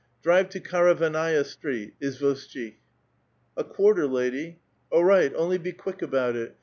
Drive Karavannaia Street, Izvoshchik." A quarter, lady." *" All right ; only be quick about it.